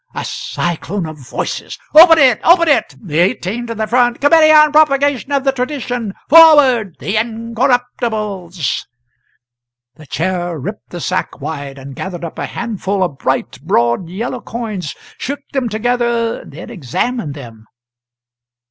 '" A Cyclone of Voices. "Open it! Open it! The Eighteen to the front! Committee on Propagation of the Tradition! Forward the Incorruptibles!" The Chair ripped the sack wide, and gathered up a handful of bright, broad, yellow coins, shook them together, then examined them.